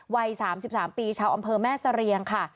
วัย๓๓ปีชาวอำเภอแม่เสรียงค่ะ